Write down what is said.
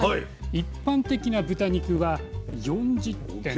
一般的な豚肉は４０．６％。